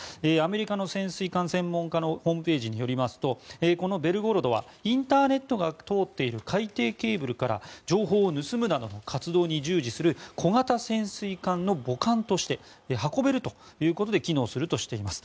アメリカの潜水艦専門家のホームページによりますとこの「ベルゴロド」はインターネットが通っている海底ケーブルから情報を盗むなどの活動に従事する小型潜水艦の母艦として運べるということで機能するとしています。